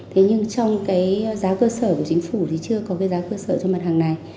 thế nhưng trong cái giá cơ sở của chính phủ thì chưa có cái giá cơ sở cho mặt hàng này